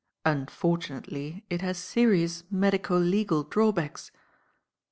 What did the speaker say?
Unfortunately it has serious medico legal drawbacks.